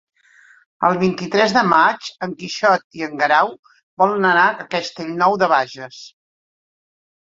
El vint-i-tres de maig en Quixot i en Guerau volen anar a Castellnou de Bages.